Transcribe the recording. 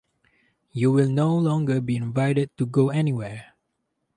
You will no longer be invited to go anywhere.